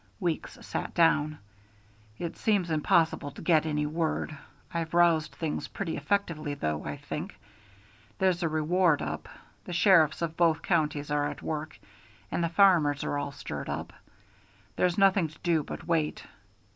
Weeks sat down. "It seems impossible to get any word. I've roused things pretty effectively though, I think. There's a reward up. The sheriffs of both counties are at work, and the farmers are all stirred up. There's nothing to do but wait.